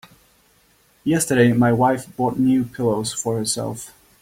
Yesterday my wife bought new pillows for herself.